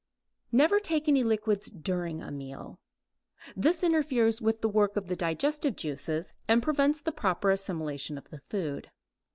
Never take any liquids during a meal. This interferes with the work of the digestive juices and prevents the proper assimilation of the food.